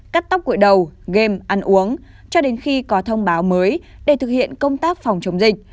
cắt tóc gội đầu game ăn uống cho đến khi có thông báo mới để thực hiện công tác phòng chống dịch